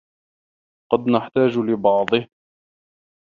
قد نحتاج لبعضه.